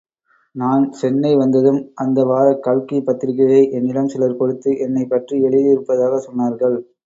நான் சென்னை வந்ததும் அந்த வாரக் கல்கி பத்திரிக்கையை என்னிடம் சிலர் கொடுத்து என்னைப் பற்றி எழுதியிருப்பதாகச் சொன்னார்கள்.